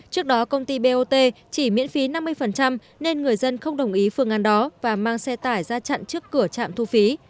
trước đó công ty bot chỉ miễn phí năm mươi nên người dân không đồng ý phương án đó và mang xe tải ra chặn trước cửa trạm thu phí